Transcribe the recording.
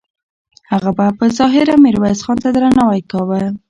هغه به په ظاهره میرویس خان ته درناوی کاوه.